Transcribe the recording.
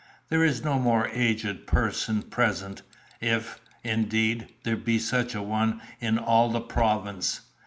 There is no more aged person present if, indeed, there be such a one in all the Province.